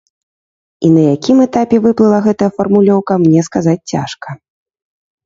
І на якім этапе выплыла гэтая фармулёўка, мне сказаць цяжка.